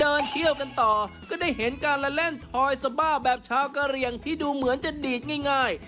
เดินเที่ยวกันต่อก็ได้เห็นการละเล่นทอยสบ้าแบบชาวกะเรียงที่ดูเหมือนจะดีดง่าย